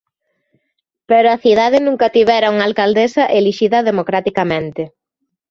Pero a cidade nunca tivera unha alcaldesa elixida democraticamente.